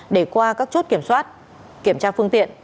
để qua các chốt kiểm soát kiểm tra phương tiện